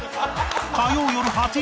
火曜よる８時